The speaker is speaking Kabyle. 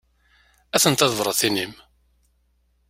Atent-a tebratin-im.